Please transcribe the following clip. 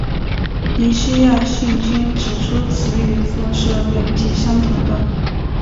尼西亚信经指出子与父是本体相同的。